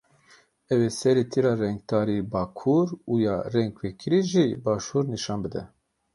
Ew ê serê tîra rengtarî bakur û ya rengvekirî jî başûr nîşan bide.